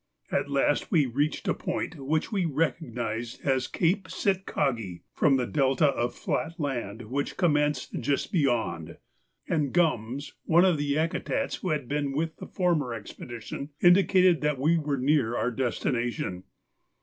At last we reached a point which we recognised as Cape Sitkagi from the delta of flat land which commenced just beyond, and Gums, one of the Yakutats who had been with the former expedition, indicated that we were near our destination.